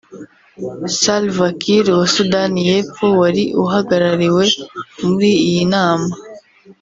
Salva Kiir wa Sudani y’Epfo wari uhagarariwe muri iyi nama